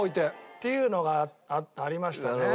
っていうのがありましたね。